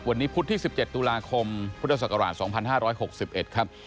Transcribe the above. วันนี้พุธที่๑๗ตุลาคมพุทธศักราช๒๕๖๑ครับ